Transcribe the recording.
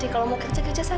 kalau mau kerja kerja sama